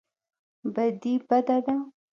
بدي بده ده.